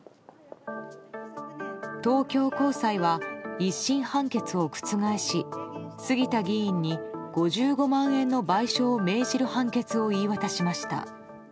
東京高裁は１審判決を覆し杉田議員に５５万円の賠償を命じる判決を言い渡しました。